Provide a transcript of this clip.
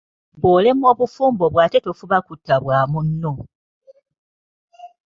Bw'olemwa obufumbo bwo ate tofuba kutta bwa munno.